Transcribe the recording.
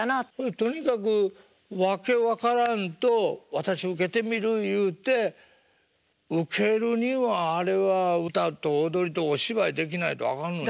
とにかく訳分からんと私受けてみるいうて受けるにはあれは歌と踊りとお芝居できないとあかんのんちゃう？